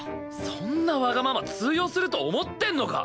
そんなわがまま通用すると思ってんのか！？